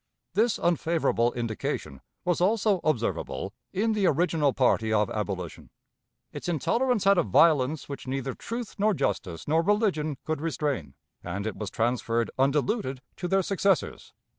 This unfavorable indication was also observable in the original party of abolition. Its intolerance had a violence which neither truth nor justice nor religion could restrain, and it was transferred undiluted to their successors.